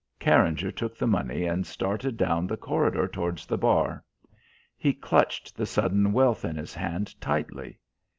Carringer took the money and started down the corridor towards the bar. He clutched the sudden wealth in his hand tightly.